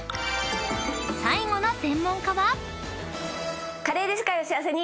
［最後の専門家は］